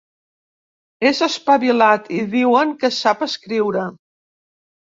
És espavilat i diuen que sap escriure.